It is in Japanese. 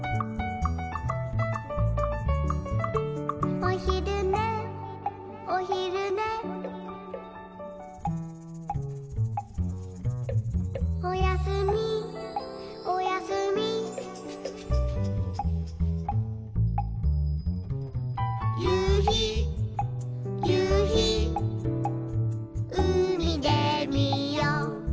「おひるねおひるね」「おやすみおやすみ」「ゆうひゆうひうみでみよう」